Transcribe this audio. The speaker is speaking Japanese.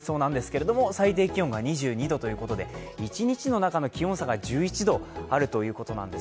３３度まで最高気温、上がりそうなんですけれども最低気温が２２度ということで一日の中の気温差が１１度あるということなんです。